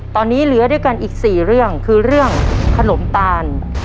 ตอนนี้เหลือด้วยกันอีก๔เรื่องคือเรื่องขนมตาล